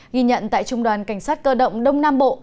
ghi nhận tại trung đoàn cảnh sát cơ động đông nam bộ